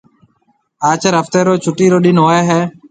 آچر هفتي رو ڇُٽِي رو ڏن هوئي هيَ۔